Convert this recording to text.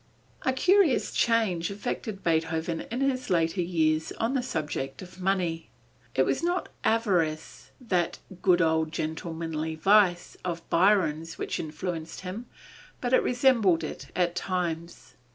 A curious change affected Beethoven in his later years on the subject of money. It was not avarice, that "good old gentlemanly vice" of Byron's which influenced him, but it resembled it at times.